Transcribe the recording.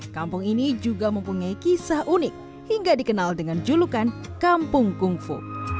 kampung ini juga mempunyai kisah unik hingga dikenal dengan julukan kampung kungfu